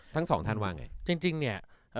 ถ้างสองท่านว่าไง